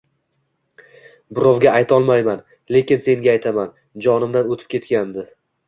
Birovga aytolmayman, lekin senga aytaman, jonimdan oʻtib ketgandi